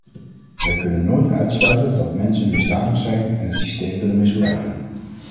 Wij kunnen nooit uitsluiten dat mensen misdadig zijn en het systeem willen misbruiken.